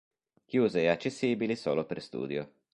Chiuse e accessibili solo per studio.